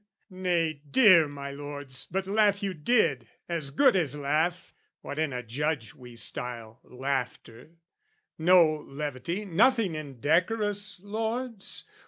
nay, dear my lords, but laugh you did, As good as laugh, what in a judge we style Laughter no levity, nothing indecorous, lords!